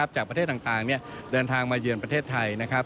จากประเทศต่างเดินทางมาเยือนประเทศไทยนะครับ